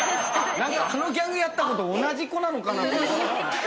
何かあのギャグやった子と同じ子なのかなと。